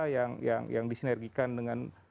yang disinergikan dengan